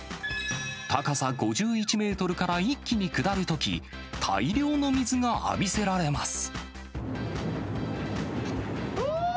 高さ５１メートルから一気に下るとき、大量の水が浴びせられます。